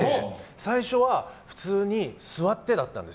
最初は普通に座ってだったんです。